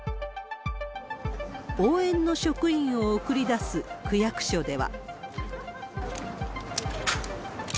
応援の職員を送り出す区役所では。